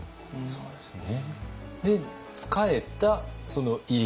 そうですね。